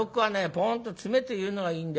ポーンと詰めて言うのがいいんだよ